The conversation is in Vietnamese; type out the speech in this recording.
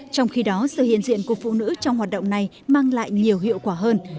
trong khi đó sự hiện diện của phụ nữ trong hoạt động này mang lại nhiều hiệu quả hơn